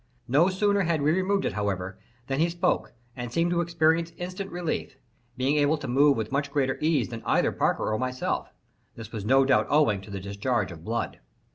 No sooner had we removed it, however, than he spoke, and seemed to experience instant relief—being able to move with much greater ease than either Parker or myself—this was no doubt owing to the discharge of blood.